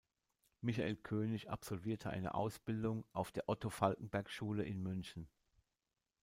Michael König absolvierte eine Ausbildung auf der Otto-Falckenberg-Schule in München.